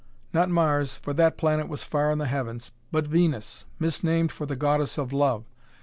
Not Mars, for that planet was far in the heavens. But Venus! misnamed for the Goddess of Love.